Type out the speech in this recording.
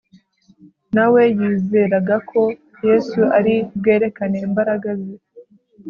na we yizeraga ko yesu ari bwerekane imbaraga ze,